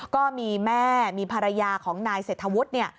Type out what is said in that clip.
ก็มีแม่มีภรรยาของนายเศรษฐวุฒิเนี่ย